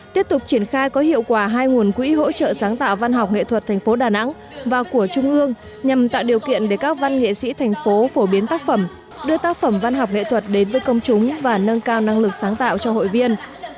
tiếp tục triển khai có hiệu quả hai nguồn quỹ hỗ trợ sáng tạo văn học nghệ thuật thành phố đà nẵng và của trung ương nhằm tạo điều kiện để các văn nghệ sĩ thành phố phổ biến tác phẩm đưa tác phẩm văn học nghệ thuật đến với công chúng và nâng cao năng lực sáng tạo cho hội viên